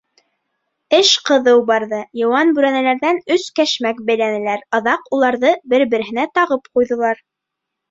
Эш ҡыҙыу барҙы, йыуан бүрәнәләрҙән өс кәшмәк бәйләнеләр, аҙаҡ уларҙы бер-береһенә тағып ҡуйҙылар.